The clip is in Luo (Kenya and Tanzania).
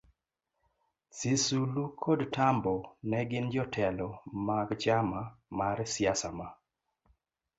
SisulukodTambo ne ginjotelo magchama marsiasama